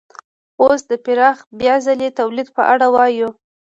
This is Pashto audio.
اوس د پراخ بیا ځلي تولید په اړه وایو